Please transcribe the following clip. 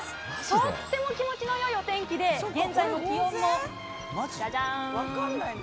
とっても気持ちの良いお天気で現在の気温もジャジャン。